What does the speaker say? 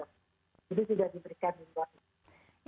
itu sudah diberikan di luar negeri